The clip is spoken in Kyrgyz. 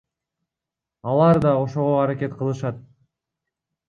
Алар да ошого аракет кылышат.